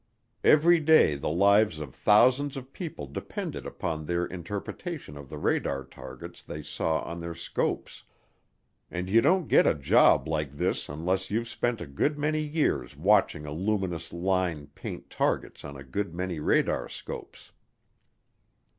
Every day the lives of thousands of people depended upon their interpretation of the radar targets they saw on their scopes. And you don't get a job like this unless you've spent a good many years watching a luminous line paint targets on a good many radarscopes.